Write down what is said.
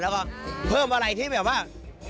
แล้วก็เพิ่มอะไรที่แบบว่า